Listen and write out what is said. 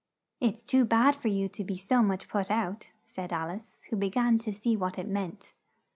"It's too bad for you to be so much put out," said Al ice, who be gan to see what it meant.